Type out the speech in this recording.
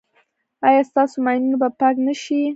ایا ستاسو ماینونه به پاک نه شي؟